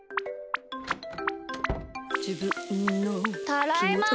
ただいま！